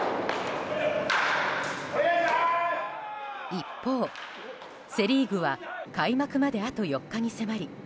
一方、セ・リーグは開幕まで、あと４日に迫り